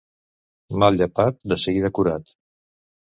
Mal llepat, de seguida curat.